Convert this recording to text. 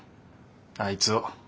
あいつを。